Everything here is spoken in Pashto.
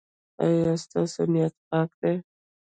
ایا ستاسو نیت پاک دی؟